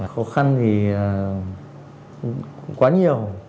khó khăn thì quá nhiều